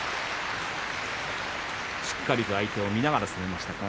しっかりと相手を見ながら攻めました、輝。